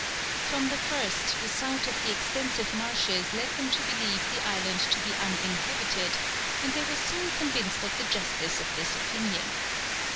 From the first the sight of the extensive marshes led them to believe the island to be uninhabited, and they were soon convinced of the justice of this opinion.